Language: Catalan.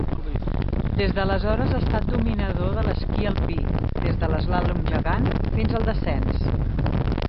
Des d'aleshores ha estat dominador de l'esquí alpí, des de l'eslàlom gegant fins al descens.